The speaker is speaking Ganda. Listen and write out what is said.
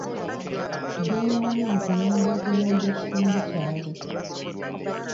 Beewayo mu kuyamba okuyonja ekitundu kyabwe.